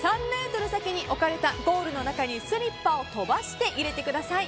３ｍ先に置かれたゴールの中にスリッパを飛ばして入れてください。